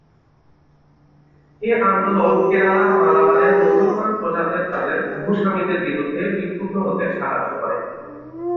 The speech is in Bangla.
এ আন্দোলন কেরালার মালাবারে মুসলমান প্রজাদের তাদের ভূস্বামীদের বিরুদ্ধে বিক্ষুব্ধ হতে সাহায্য করে।